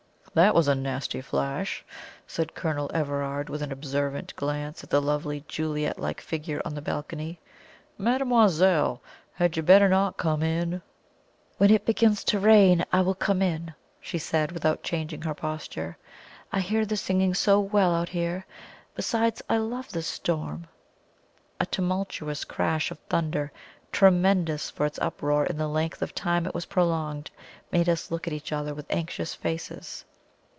"That was a nasty flash," said Colonel Everard, with an observant glance at the lovely Juliet like figure on the balcony. "Mademoiselle, had you not better come in?" "When it begins to rain I will come in," she said, without changing her posture. "I hear the singing so well out here. Besides, I love the storm." A tumultuous crash of thunder, tremendous for its uproar and the length of time it was prolonged, made us look at each other again with anxious faces.